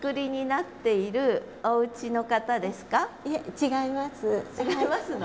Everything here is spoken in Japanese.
違いますの？